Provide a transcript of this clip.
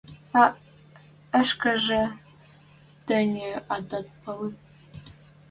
А ӹшкежӹ тӹньӹ атат пӓлӹ